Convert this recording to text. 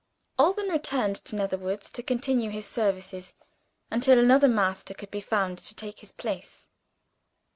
Alban returned to Netherwoods to continue his services, until another master could be found to take his place.